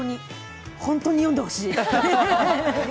本当に読んでほしい！